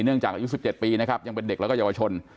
เนื่องจากอิษย์๑๗ปีนะครับเด็กแล้วก็เยาวชน